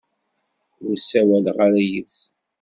Ur ssawaleɣ ara yid-sen.